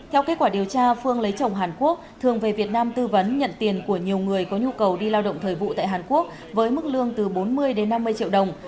theo kết quả điều tra phương lấy chồng hàn quốc thường về việt nam tư vấn nhận tiền của nhiều người có nhu cầu đi lao động thời vụ tại hàn quốc với mức lương từ bốn mươi đến năm mươi triệu đồng